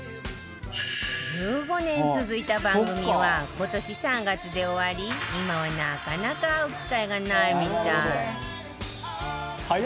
１５年続いた番組は今年３月で終わり今はなかなか会う機会がないみたい